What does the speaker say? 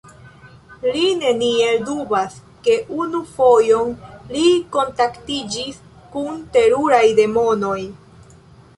Li neniel dubas, ke unu fojon li kontaktiĝis kun teruraj demonoj.